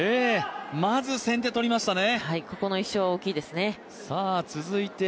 まず先手、取りましたね。